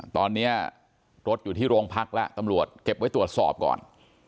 ตอนนี้รถอยู่ที่โรงพักแล้วตำรวจเก็บไว้ตรวจสอบก่อน